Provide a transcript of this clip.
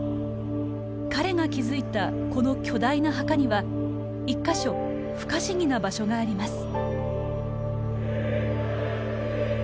彼が築いたこの巨大な墓には１か所不可思議な場所があります。